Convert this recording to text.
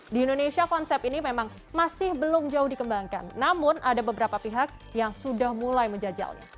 di indonesia konsep ini memang masih belum jauh dikembangkan namun ada beberapa pihak yang sudah mulai menjajalnya